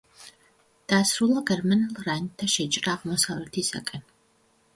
დაასრულა გერმანელ რაინდთა შეჭრა აღმოსავლეთისკენ.